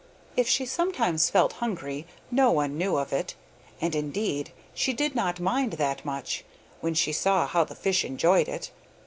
If she sometimes felt hungry, no one knew of it, and, indeed, she did not mind that much, when she saw how the fish enjoyed it.